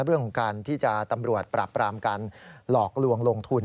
เรื่องของการที่จะตำรวจปราบปรามการหลอกลวงลงทุน